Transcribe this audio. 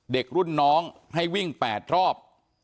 เด็กรุ่นน้องให้วิ่ง๘รอบ